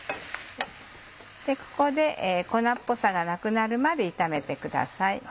ここで粉っぽさがなくなるまで炒めてください。